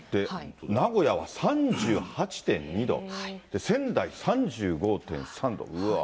名古屋は３８．２度、仙台３５．３度、うわー。